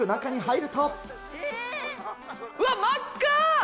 うわっ、真っ赤。